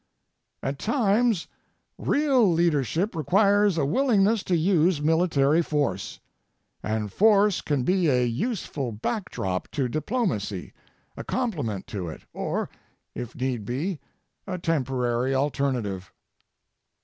At times, real leadership requires a willingness to use military force. And force can be a useful backdrop to diplomacy, a complement to it, or, if need be, a temporary alternative.